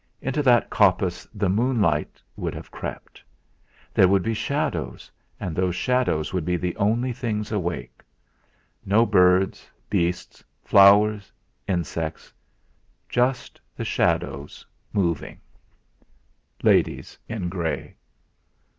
Into that coppice the moon light would have crept; there would be shadows, and those shadows would be the only things awake. No birds, beasts, flowers, insects; Just the shadows moving; 'Ladies in grey!'